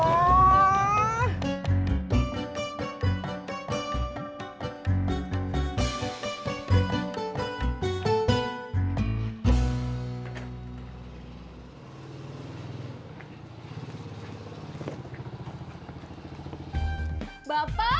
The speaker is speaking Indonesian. bapak beliefs jepang